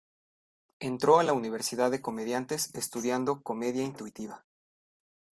Entró a la Universidad de Comediantes estudiando comedia intuitiva.